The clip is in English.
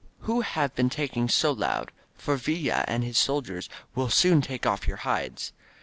Who have been talking so loudy For Villa and his soldiers WiU soon take off your hides!